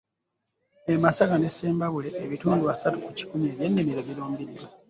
E Masaka n'e Sembabule, ebitundu asatu ku kikumi eby’ennimiro birumbiddwa